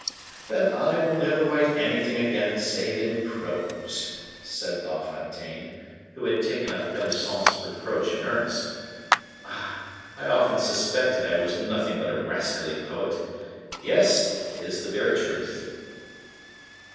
"Then I will never write anything again save in prose," said La Fontaine, who had taken up Pelisson's reproach in earnest. "Ah! I often suspected I was nothing but a rascally poet! Yes, 'tis the very truth."